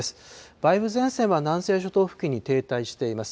梅雨前線は南西諸島付近に停滞しています。